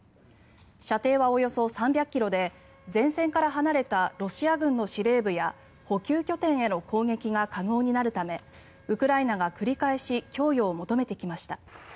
射程はおよそ３００ｋｍで前線から離れたロシア軍の司令部や補給拠点への攻撃が可能になるためウクライナが繰り返し供与を求めてきました。